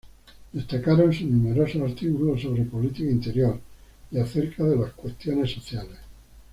Destacaron sus numerosos artículos sobre política interior y acerca de las cuestiones sociales.